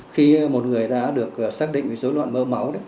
khi một người đã được xác định với dối loạn mỡ máu